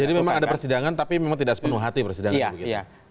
jadi memang ada persidangan tapi memang tidak sepenuh hati persidangan